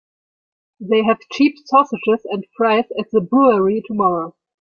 They have cheap sausages and fries at the brewery tomorrow.